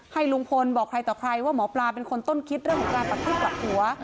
ให้ลุงพลบอกใครต่อใครว่าหมอปลาเป็นคนต้นคิดเรื่องของการปักทูบกลับหัว